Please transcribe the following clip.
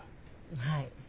はい。